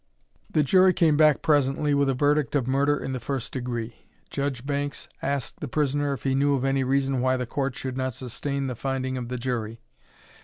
The jury came back presently with a verdict of murder in the first degree. Judge Banks asked the prisoner if he knew of any reason why the court should not sustain the finding of the jury.